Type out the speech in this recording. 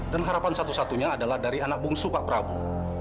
dan harapan satu satunya adalah dari anak bungsu pak prabu